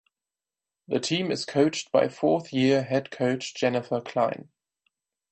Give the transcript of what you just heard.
The team is coached by fourth year head coach Jennifer Klein.